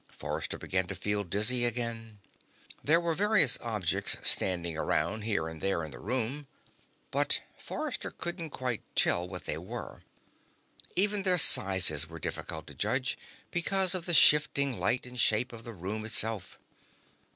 Forrester began to feel dizzy again. There were various objects standing around here and there in the room, but Forrester couldn't quite tell what they were. Even their sizes were difficult to judge, because of the shifting light and shape of the room itself.